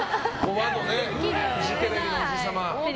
フジテレビのおじ様。